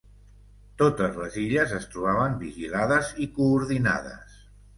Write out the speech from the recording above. Totes les illes es trobaven vigilades i coordinades.